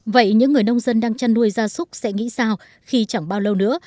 vậy những người nông dân đang chăn nuôi gia súc sẽ nghĩ sao khi chẳng bao lâu nữa